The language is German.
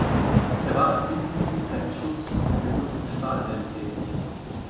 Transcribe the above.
Er war als Mitglied im Grenzschutz und führend im Stahlhelm tätig.